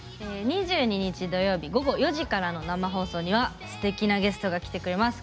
２２日、土曜日午後４時からの生放送にはすてきなゲストが来てくれます。